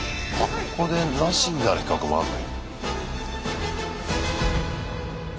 ここでなしになる企画もあんの？